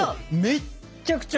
めっちゃくちゃ